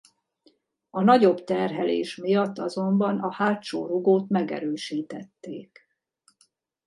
A nagyobb terhelés miatt azonban a hátsó rugót megerősítették.